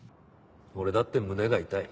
俺だって胸が痛い。